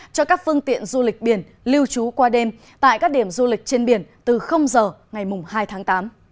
cho các phương tiện du lịch biển lưu trú qua đêm tại các điểm du lịch trên biển từ giờ ngày hai tháng tám